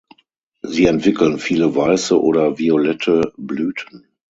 Sie entwickeln viele weiße oder violette Blüten.